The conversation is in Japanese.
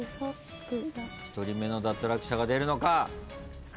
１人目の脱落者が出るのか？